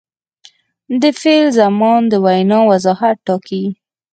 د فعل زمان د وینا وضاحت ټاکي.